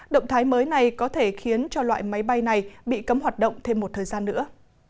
động thái mới này có thể khiến cho loại máy bay này bị cấm hoạt động thêm một thời gian nữa